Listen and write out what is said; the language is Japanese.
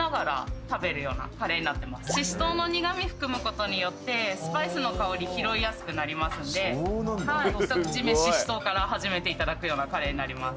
シシトウの苦味含むことによってスパイスの香り拾いやすくなりますんで一口目シシトウから始めていただくようなカレーになります。